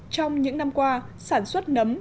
trong những năm qua sản xuất nấm